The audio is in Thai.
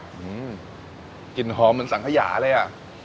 กลิ่นหอมเหมือนสังขยาเลยอ่ะ